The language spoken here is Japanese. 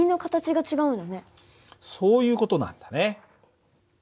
そういう事なんだね。